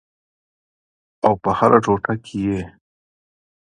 او په هره ټوټه کې یې